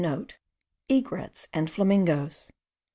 egrets, and flamingoes.